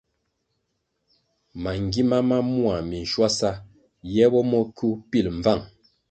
Mangima ma mua minschuasa ye bo mo kywu pil mbvang.